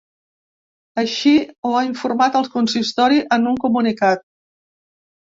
Així ho ha informat el consistori en un comunicat.